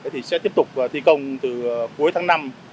thì sẽ tiếp tục thi công từ cuối tháng năm